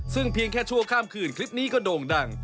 ซึ่งเพียงแค่ชั่วข้ามคืนคลิปนี้ก็โด่งดัง